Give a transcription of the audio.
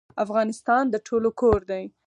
افغانستان د ټولو کور دی